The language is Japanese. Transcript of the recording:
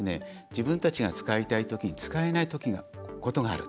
自分たちが使いたい時に使えないことがある。